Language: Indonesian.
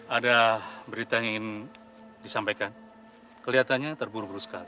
ada berita yang ingin disampaikan kelihatannya terburu buru sekali